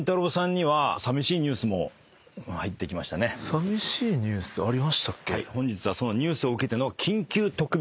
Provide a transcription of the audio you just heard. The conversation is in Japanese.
寂しいニュースありましたっけ？